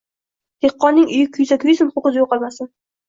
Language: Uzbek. Dehqonning uyi kuysa kuysin, ho‘kizi yo‘qolmasin